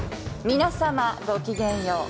皆さまごきげんよう。